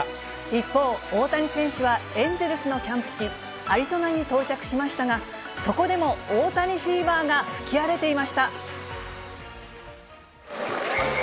一方、大谷選手はエンゼルスのキャンプ地、アリゾナに到着しましたが、そこでも大谷フィーバーが吹き荒れていました。